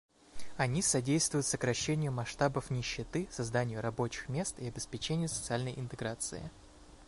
Они содействуют сокращению масштабов нищеты, созданию рабочих мест и обеспечению социальной интеграции.